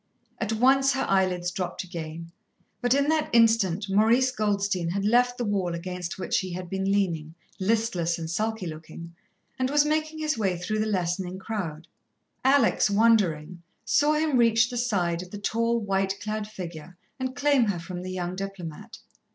At once her eyelids dropped again. But in that instant Maurice Goldstein had left the wall against which he had been leaning, listless and sulky looking, and was making his way through the lessening crowd. Alex, wondering, saw him reach the side of the tall, white clad figure, and claim her from the young diplomat.